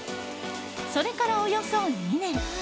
それから、およそ２年。